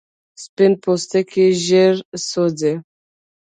سپین پوستکی ژر سوځي